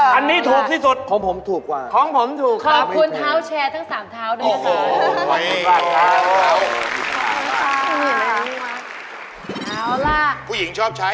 อันนี้ถูกที่สุดของผมถูกค่ะขอบคุณเท้าแชร์ทั้งสามเท้าด้วยนะคะขอบคุณครับเท้า